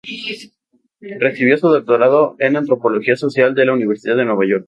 Recibió su doctorado en antropología social de la Universidad de Nueva York.